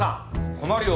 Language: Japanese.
困るよ